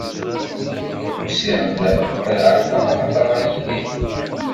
Usiɣ-d ad ɛawdeɣ ad hedreɣ yid-k.